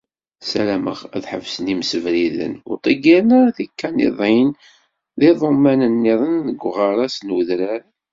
Sarameɣ ad ḥebsen yimessebriden ur ḍeqqiren ara tikaniṭin d yiḍumman nniḍen deg uɣaras n wedrar.